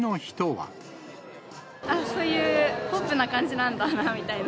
ああ、そういうポップな感じなんだなみたいな。